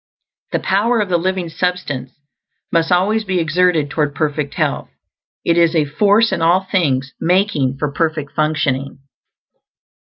The power of the living substance must always be exerted toward perfect health; it is a force in all things making for perfect functioning.